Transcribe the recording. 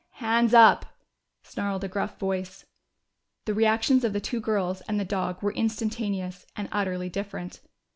"Hands up!" snarled a gruff voice. The reactions of the two girls and the dog were instantaneous and utterly different.